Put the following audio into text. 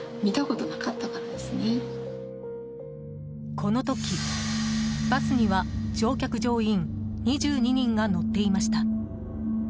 この時、バスには乗客・乗員２２人が乗っていました。